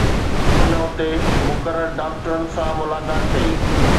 هن اتي مقرر ڊاڪٽرن سان ملاقات ڪئي